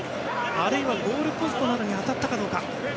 あるいはゴールポストに当たったかどうか。